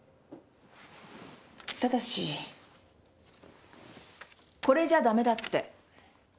ただしこれじゃダメだって。